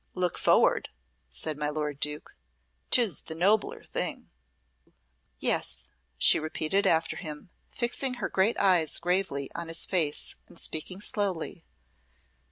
"Look forward!" said my lord Duke; "'tis the nobler thing." "Yes," she repeated after him, fixing her great eyes gravely on his face and speaking slowly.